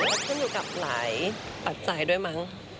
มันขึ้นอยู่กับหลายปัจจัยด้วยมั้ง